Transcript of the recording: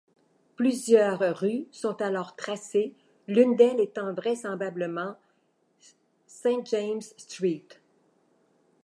Plusieurs rues sont alors tracées, l’une d’elles étant vraisemblablement St James's Street.